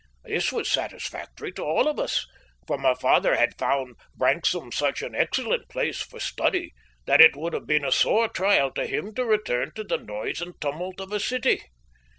This was satisfactory to all of us, for my father had found Branksome such an excellent place for study that it would have been a sore trial to him to return to the noise and tumult of a city.